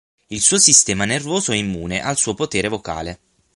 Il suo sistema nervoso è immune al suo potere vocale.